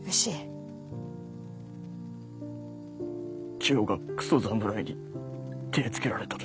チヨがクソ侍に手ぇつけられた時。